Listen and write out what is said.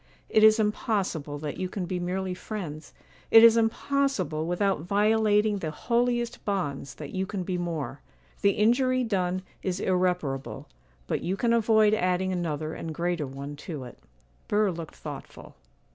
It is impossible that you can be merely friends,—it is impossible, without violating the holiest bonds, that you can be more. The injury done is irreparable, but you can avoid adding another and greater one to it.' Burr looked thoughtful.